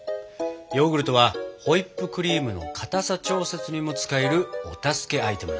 ヨーグルトはホイップクリームの固さ調節にも使えるお助けアイテムなんだ。